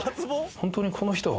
本当にこの人は。